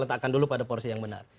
letakkan dulu pada porsi yang benar